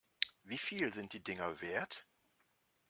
Wie viel sind die Dinger wert?